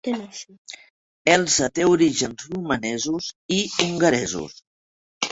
Elsa té orígens romanesos i hongaresos.